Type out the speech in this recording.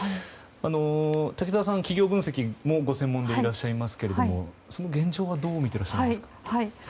滝澤さんは企業分析もご専門でいらっしゃいますがその現状はどう見ていますか？